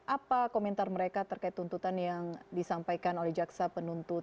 apa komentar mereka terkait tuntutan yang disampaikan oleh jaksa penuntut